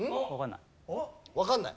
わかんない。